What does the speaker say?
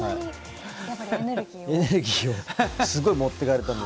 エネルギーをすごい持っていかれたので。